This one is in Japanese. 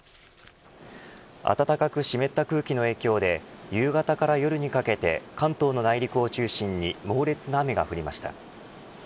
暖かく湿った空気の影響で夕方から夜にかけて関東の内陸を中心に猛烈な雨が降りました。